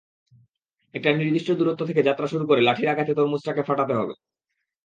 একটা নির্দিষ্ট দূরত্ব থেকে যাত্রা শুরু করে লাঠির আঘাতে তরমুজটাকে ফাটাতে হবে।